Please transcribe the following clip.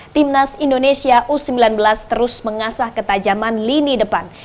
timnas indonesia u sembilan belas terus mengasah ketajaman lini depan